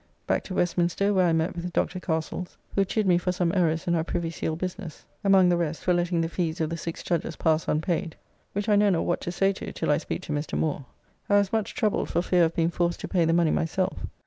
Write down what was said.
Back to Westminster, where I met with Dr. Castles, who chidd me for some errors in our Privy Seal business; among the rest, for letting the fees of the six judges pass unpaid, which I know not what to say to, till I speak to Mr. Moore. I was much troubled, for fear of being forced to pay the money myself.